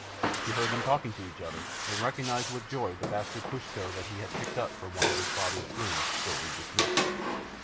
He heard them talking to each other, and recognized with joy the bastard Pushto that he had picked up from one of his father's grooms lately dismissed.